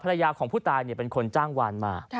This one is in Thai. ภรรยาของผู้ตายเป็นคนจ้างวานมา